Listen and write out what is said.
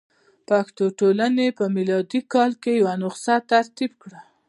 پښتو ټولنې په میلادي کال کې یوه نسخه ترتیب کړه.